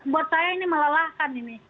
buat saya ini melelahkan ini